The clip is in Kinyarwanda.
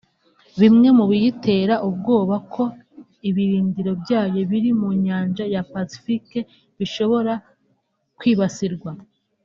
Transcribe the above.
bimwe mu biyitera ubwoba ko ibirindiro byayo biri mu Nyanja ya Pacifique bishobora kwibasirwa